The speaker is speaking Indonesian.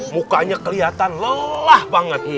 mukanya kelihatan lelah banget